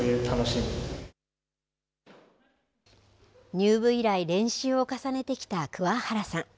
入部以来練習を重ねてきた桑原さん。